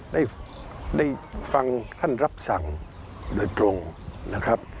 ได้ฟังท่านรับสั่งโดยตรงนะครับ